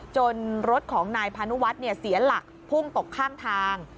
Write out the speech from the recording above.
รถของนายพานุวัฒน์เสียหลักพุ่งตกข้างทาง